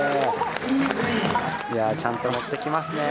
いやあちゃんと乗ってきますね。